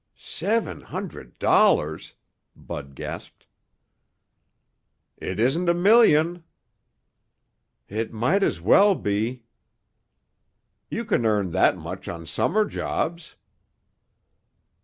"Seven hundred dollars!" Bud gasped. "It isn't a million." "It might as well be!" "You can earn that much on summer jobs."